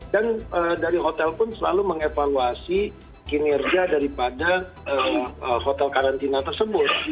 dan dari hotel pun selalu mengevaluasi kinerja daripada hotel karantina tersebut